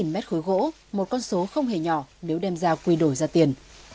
một mét khối gỗ một con số không hề nhỏ nếu đem ra quy đổi ra tiền